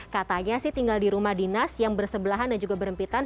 katanya sih tinggal di rumah dinas yang bersebelahan dan juga berempitan